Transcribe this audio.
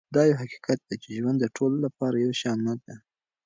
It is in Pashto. دا یو حقیقت دی چې ژوند د ټولو لپاره یو شان نه دی.